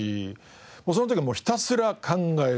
もうその時はひたすら考えるのみ。